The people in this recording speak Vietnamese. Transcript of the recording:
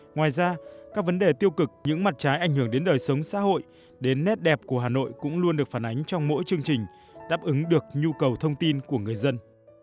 ngoài ra các vấn đề tiêu cực những mặt trái ảnh hưởng đến đời sống xã hội đến nét đẹp của hà nội cũng luôn được phản ánh trong mỗi chương trình đáp ứng được nhu cầu thông tin của người dân